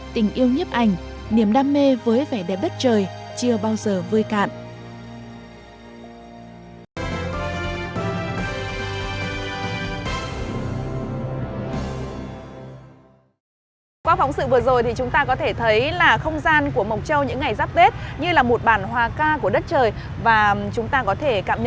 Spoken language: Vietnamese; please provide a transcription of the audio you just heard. tình yêu nhấp ảnh niềm đam mê với vẻ đẹp đất trời chưa bao giờ vơi cạn